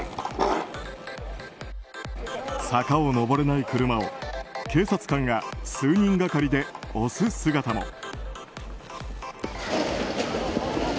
坂を上れない車を警察官が数人がかりで押す姿も。